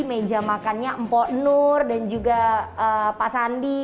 makanya jam makannya mpok nur dan juga pak sandi